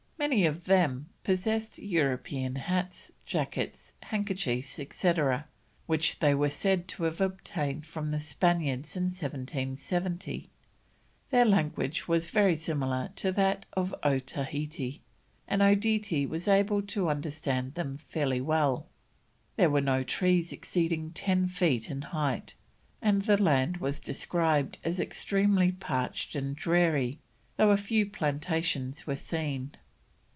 Many of them possessed European hats, jackets, handkerchiefs, etc., which they were said to have obtained from the Spaniards in 1770. Their language was very similar to that of Otaheite, and Odidie was able to understand them fairly well. There were no trees exceeding ten feet in height, and the land is described as extremely parched and dreary, though a few plantations were seen.